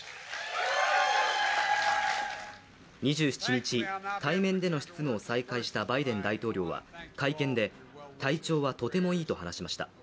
２７日、対面での執務を再開したバイデン大統領は会見で、体調はとてもいいと話しました。